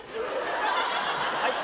はい。